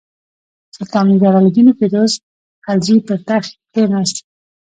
سلطان جلال الدین فیروز خلجي پر تخت کښېناست.